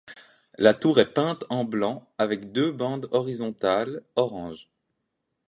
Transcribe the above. La tour est peinte en blanc avec deux bandes horizontales orange.